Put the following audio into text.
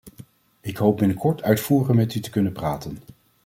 Ik hoop binnenkort uitvoeriger met u te kunnen praten.